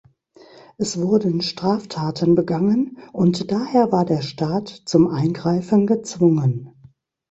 Es wurden Straftaten begangen, und daher war der Staat zum Eingreifen gezwungen.